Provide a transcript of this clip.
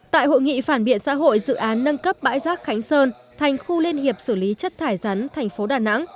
tại hội nghị phản biện xã hội dự án nâng cấp bãi rác khánh sơn thành khu liên hiệp xử lý chất thải rắn thành phố đà nẵng